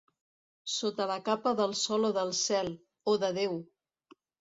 Sota la capa del sol o del cel, o de Déu.